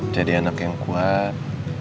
jadi anak yang kuat